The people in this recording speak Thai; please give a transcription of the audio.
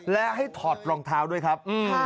และให้ถอดรองเท้าด้วยครับ